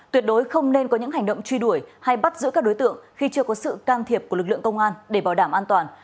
tuyệt đối không nên có những hành động truy đuổi hay bắt giữ các đối tượng khi chưa có sự can thiệp của lực lượng công an để bảo đảm an toàn